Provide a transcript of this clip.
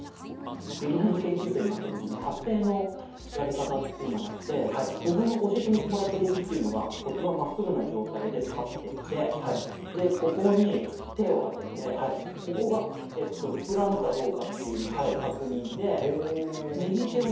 劇団の研修生になった時に発声のやり方っていうのがあって僕の教えてもらった動きというのが骨盤まっすぐな状態で立っていてここに手を当ててここが膨らむかどうかっていう確認で右手をね